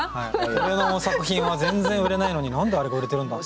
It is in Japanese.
俺の作品は全然売れないのに何であれが売れてるんだって。